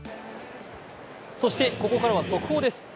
そして、ここからは速報です